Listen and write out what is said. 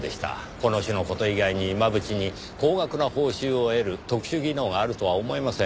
この種の事以外に真渕に高額な報酬を得る特殊技能があるとは思えません。